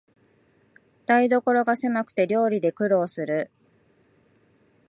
台所がせまくて料理で苦労する